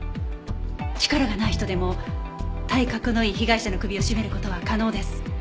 力がない人でも体格のいい被害者の首を絞める事は可能です。